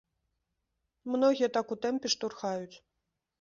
Многія так у тэмпе штурхаюць.